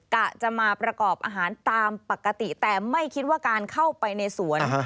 กะจะมาประกอบอาหารตามปกติแต่ไม่คิดว่าการเข้าไปในสวน